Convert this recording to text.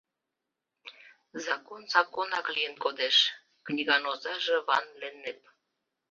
Закон законак лийын кодеш, — книган озаже Ван-Леннеп.